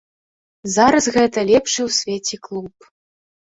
Зараз гэта лепшы ў свеце клуб.